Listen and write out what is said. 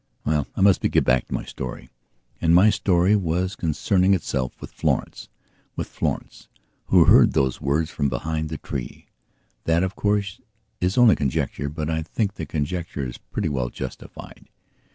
Well, I must get back to my story. And my story was concerning itself with Florencewith Florence, who heard those words from behind the tree. That of course is only conjecture, but I think the conjecture is pretty well justified.